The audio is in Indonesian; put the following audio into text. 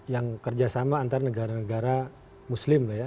yang kerjasama antara negara negara muslim lah ya